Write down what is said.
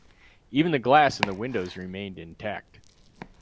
Even the glass in the windows remained intact.